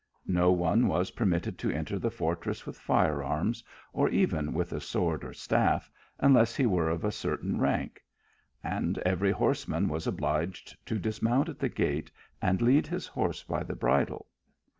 No one was permitted to enter the fortress with fire arms, or even with a sword or staff, unless he were of a certain rank, and every horseman was obliged to dismount at the gate and lead his horse by the bridle.